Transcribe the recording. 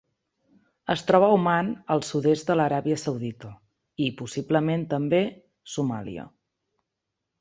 Es troba a Oman el sud-est de l'Aràbia Saudita i, possiblement també, Somàlia.